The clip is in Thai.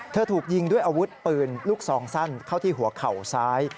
ถูกยิงด้วยอาวุธปืนลูกซองสั้นเข้าที่หัวเข่าซ้าย